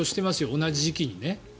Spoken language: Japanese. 同じ時期にね。